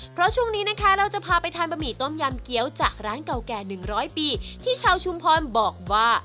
เพราะช่วงนี้นะคะเราจะพาไปทานบะหมี่ต้มยำเกี้ยวจากร้านเก่าแก่๑๐๐ปีที่ชาวชุมพรบอกว่า